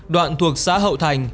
đoạn thuộc xã hậu thành